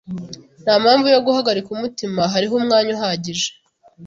Nta mpamvu yo guhagarika umutima. Hariho umwanya uhagije.